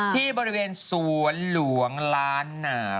ที่บริเวณสวนหลวงล้านหล่อเก้า